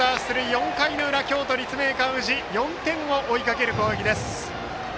４回の裏、京都・立命館宇治４点を追いかける攻撃です。